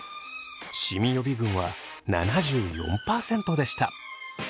シミ予備軍は７４％でした。